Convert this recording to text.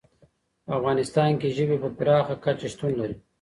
په افغانستان کې ژبې په پراخه کچه شتون لري.